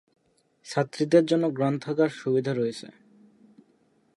ছাত্রীদের জন্য গ্রন্থাগার সুবিধা রয়েছে।